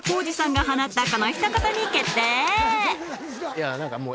いや何かもう。